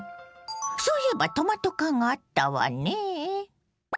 そういえばトマト缶があったわねぇ。